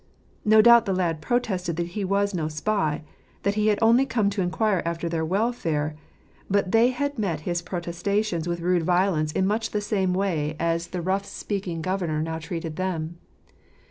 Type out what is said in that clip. No doubt the lad protested that he was no spy — that he had only come to inquire after their welfare ; but they had met his protestations with rude violence in much the same way as the rough speaking 86 JFrrst 3'nterbtfiin fottlj f5is Drclljrett. governor now treated them.